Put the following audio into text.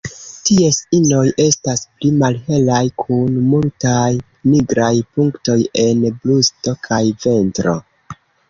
Ties inoj estas pli malhelaj, kun multaj nigraj punktoj en brusto kaj ventro.